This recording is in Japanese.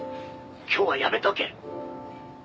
今日はやめておけ」